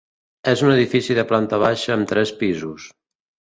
És un edifici de planta baixa amb tres pisos.